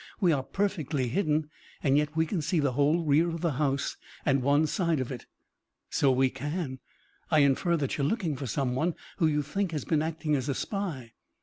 We are perfectly hidden and yet we can see the whole rear of the house and one side of it." "So we can. I infer that you are looking for some one who you think has been acting as a spy."